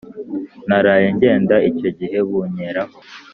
naraye ngenda icyo gihe bunkeraho